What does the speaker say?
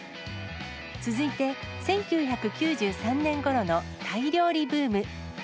続いて１９９３年ごろのタイ料理ブーム。